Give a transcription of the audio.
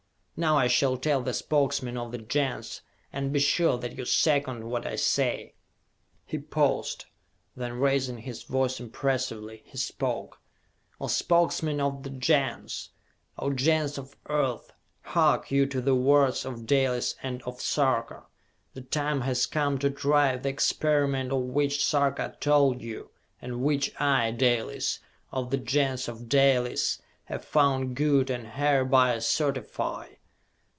Now I shall tell the Spokesmen of the Gens, and be sure that you second what I say!" He paused. Then, raising his voice impressively, he spoke. "O Spokesmen of the Gens, O Gens of Earth, hark ye to the words of Dalis and of Sarka! The time has come to try the experiment of which Sarka told you, and which I, Dalis, of the Gens of Dalis, have found good, and hereby certify!